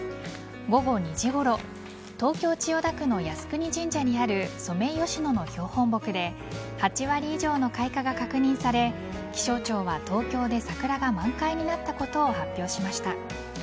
午後２時ごろ東京・千代田区の靖国神社にあるソメイヨシノの標本木で８割以上の開花が確認され気象庁は東京で桜が満開になったことを発表しました。